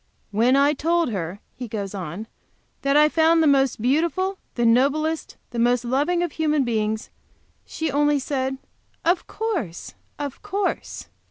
"When I told her," he goes on, "that I had found the most beautiful, the noblest, the most loving of human beings, she only said, 'Of course, of course!'